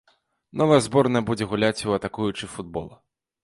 Новая зборная будзе гуляць у атакуючы футбол.